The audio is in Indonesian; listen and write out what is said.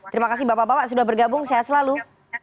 terima kasih bapak bapak sudah bergabung sehat selalu